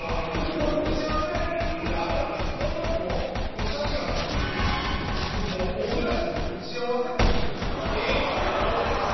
これも打ち合わせあったんですけどその時も写真あるんですけどもう大東だけ打ち合わせとしてええわけない。